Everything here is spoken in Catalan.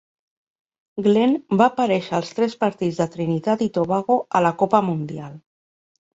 Glen va aparèixer als tres partits de Trinitat i Tobago a la Copa Mundial.